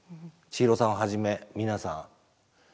千尋さんをはじめ皆さん。